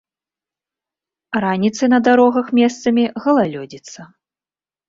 Раніцай на дарогах месцамі галалёдзіца.